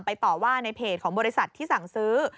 ต่อว่าในเพจของบริษัทที่สั่งซื้อ